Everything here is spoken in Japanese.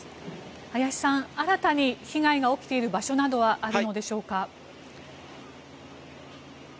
林さん新たに被害が起きている場所などはあるのでしょうか。